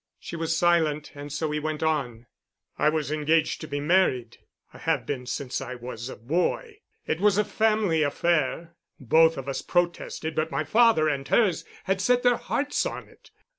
She was silent, and so he went on. "I was engaged to be married. I have been since I was a boy. It was a family affair. Both of us protested, but my father and hers had set their hearts on it.